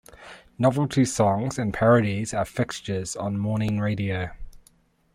Novelty songs and parodies are fixtures on morning radio.